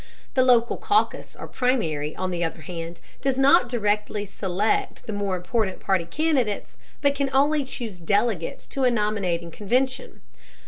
The local caucus or primary, on the other hand, does not directly select the more important party candidates, but can only choose delegates to a nominating convention.